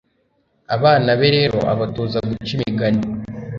abana be rero abatoza guca imigani